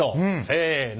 せの。